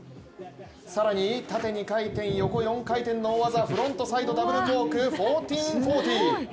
更に縦２回転、横４回転の大技フロントサイドダブルコーク１４４０。